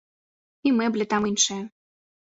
І мэбля там іншая.